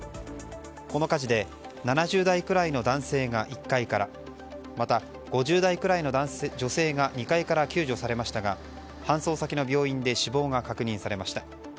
この火事で７０代くらいの男性が１階からまた、５０代くらいの女性が２階から救助されましたが搬送先の病院で死亡が確認されました。